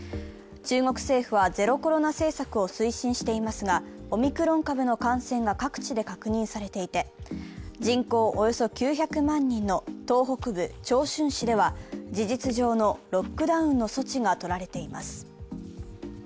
中国政府は、ゼロコロナ政策を推進していますが、オミクロン株の感染が各地で確認されていて、人口およそ９００万人の東北部長春市では事実上のロックダウンの措置がとられています。